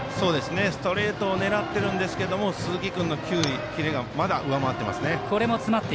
ストレートを狙ってるんですけど鈴木君の球威キレがまだ上回っていますね。